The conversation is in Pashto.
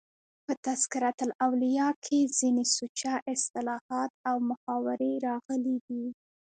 په "تذکرة الاولیاء" کښي ځيني سوچه اصطلاحات او محاورې راغلي دي.